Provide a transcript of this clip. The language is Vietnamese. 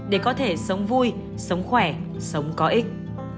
để có thể sống vui sống khỏe sống có ích